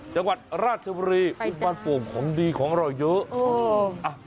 จังหวัดราชบุรีทุกวันโป่งของดีของอร่อยเยอะ